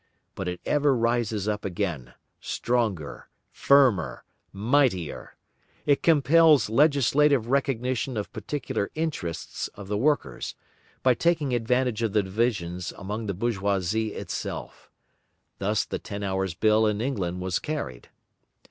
But it ever rises up again, stronger, firmer, mightier. It compels legislative recognition of particular interests of the workers, by taking advantage of the divisions among the bourgeoisie itself. Thus the ten hours' bill in England was carried.